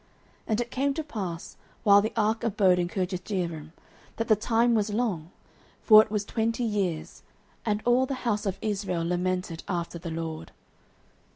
09:007:002 And it came to pass, while the ark abode in Kirjathjearim, that the time was long; for it was twenty years: and all the house of Israel lamented after the LORD.